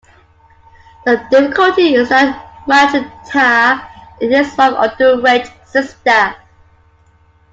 The difficulty is that Magenta is his wife's underaged sister.